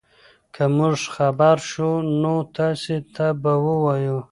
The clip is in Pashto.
که موږ خبر شو نو تاسي ته به ووایو.